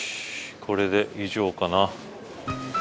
これで以上かな？